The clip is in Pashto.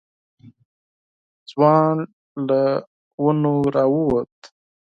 ځوان له ونو راووت.